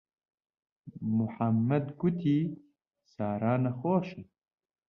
موحەممەد گوتی سارا نەخۆشە.